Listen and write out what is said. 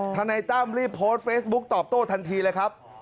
นายตั้มรีบโพสต์เฟซบุ๊กตอบโต้ทันทีเลยครับ